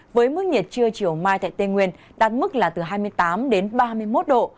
với mức nhiệt trưa chiều mai tại tây nguyên đạt mức là từ hai mươi tám đến ba mươi một độ